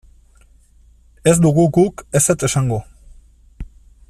Ez dugu guk ezetz esango.